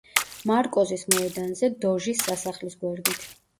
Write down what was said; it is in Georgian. მარკოზის მოედანზე, დოჟის სასახლის გვერდით.